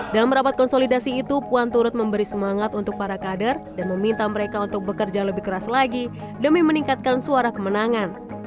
dalam rapat konsolidasi itu puan turut memberi semangat untuk para kader dan meminta mereka untuk bekerja lebih keras lagi demi meningkatkan suara kemenangan